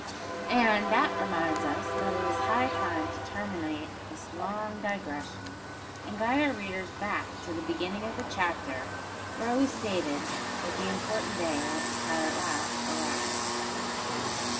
And that reminds us that it is high time to terminate this long digression, and guide our readers back to the beginning of the chapter, where we stated that the important day had at last arrived.